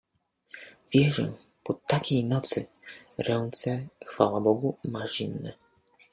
— Wierzę! Po takiej nocy! Ręce, chwała Bogu, masz zimne.